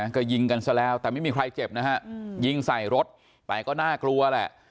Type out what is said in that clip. ก็ยิงกันซะแล้วแต่ไม่มีใครเจ็บนะฮะยิงใส่รถแต่ก็น่ากลัวแหละ